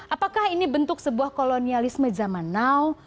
apakah ini bentuk sebuah kolonialisme zaman now